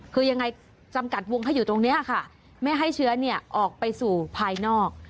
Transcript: คือยังไงจำกัดวงให้อยู่ตรงนี้ค่ะไม่ให้เชื้อออกไปสู่ภายนอก